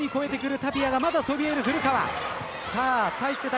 タピアがまだそびえる古川。